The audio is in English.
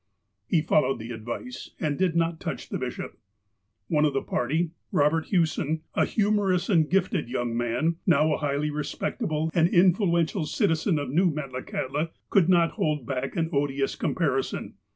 He followed the advice, and did not touch the bishop. One of the party, Robert Hewson, a humorous and gifted young man, now a highly respectable and influential citizen of NewMetlakalitla, could not hold back an odiouH comparison.